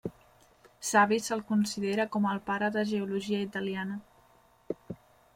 Savi se'l considera com el pare de geologia italiana.